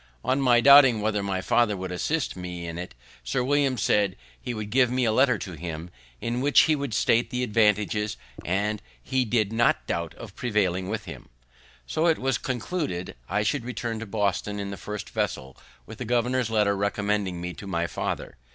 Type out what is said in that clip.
On my doubting whether my father would assist me in it, Sir William said he would give me a letter to him, in which he would state the advantages, and he did not doubt of prevailing with him. So it was concluded I should return to Boston in the first vessel, with the governor's letter recommending me to my father.